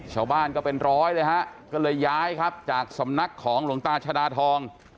ชาวบ้านก็เป็นร้อยเลยฮะก็เลยย้ายครับจากสำนักของหลวงตาชดาทอง